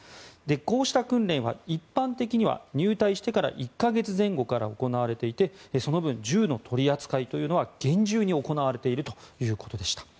こうした訓練は、一般的には入隊してから１か月前後から行われていてその分、銃の取り扱いというのは厳重に行われているということでした。